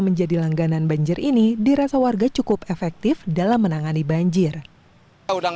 menjadi langganan banjir ini dirasa warga cukup efektif dalam menangani banjir udang